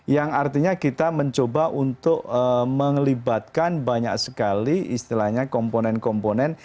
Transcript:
yang artinya kita mencoba untuk mengelibatkan banyak sekali istilahnya komponen komponen